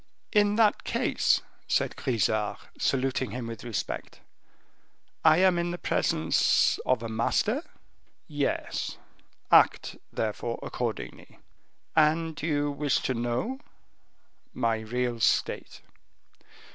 "In that case," said Grisart, saluting him with respect, "I am in the presence of a master?" "Yes; act, therefore, accordingly." "And you wish to know?" "My real state."